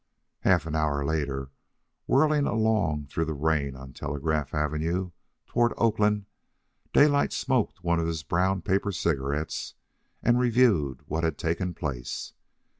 Half an hour later, whirling along through the rain on Telegraph Avenue toward Oakland, Daylight smoked one of his brown paper cigarettes and reviewed what had taken place.